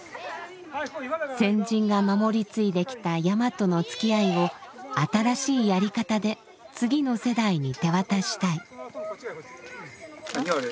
先人が守り継いできた山とのつきあいを新しいやり方で次の世代に手渡したい。